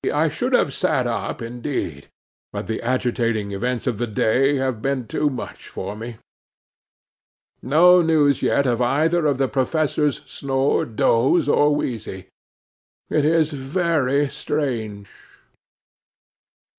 I should have sat up, indeed, but the agitating events of this day have been too much for me. 'No news yet of either of the Professors Snore, Doze, or Wheezy. It is very strange!